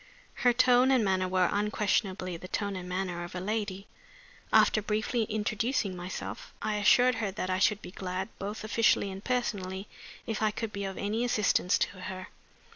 Her tone and manner were unquestionably the tone and manner of a lady. After briefly introducing myself, I assured her that I should be glad, both officially and personally, if I could be of any assistance to her.